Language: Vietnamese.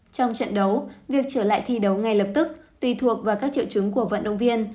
trong trận đấu việc trở lại thi đấu ngay lập tức tùy thuộc vào các triệu chứng của vận động viên